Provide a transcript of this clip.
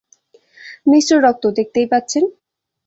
মিশ্র রক্ত, দেখতেই পাচ্ছেন।